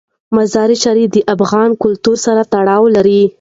مزارشریف د افغان کلتور سره تړاو لري.